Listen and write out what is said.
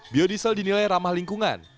biodiesel dinilai ramah lingkungan